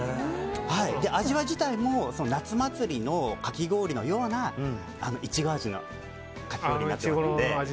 味自体も夏祭りのかき氷のようないちご味のかき氷になっています。